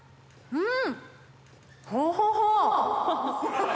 うん！